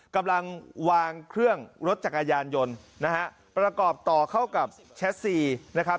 กำลังวางเครื่องรถจักรยานยนต์นะฮะประกอบต่อเข้ากับแชทซีนะครับ